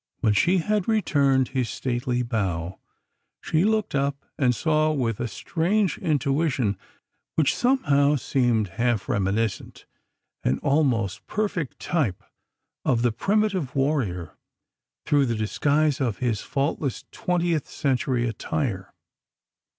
When she had returned his stately bow, she looked up and saw with a strange intuition, which somehow seemed half reminiscent an almost perfect type of the primitive warrior through the disguise of his faultless twentieth century attire.